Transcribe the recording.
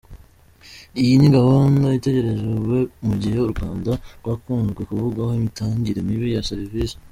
Iyi gahunda itekerejwe mu gihe u Rwanda rwakunze kuvugwaho imitangire mibi ya serivisi.